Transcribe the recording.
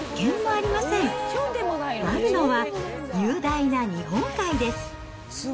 あるのは、雄大な日本海です。